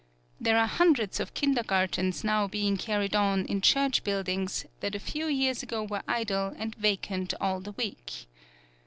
There are hundreds of Kindergartens now being carried on in church buildings that a few years ago were idle and vacant all the week.